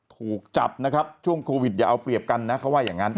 ถูกจับนะครับช่วงโควิดอย่าเอาเปรียบกันนะเขาว่าอย่างนั้น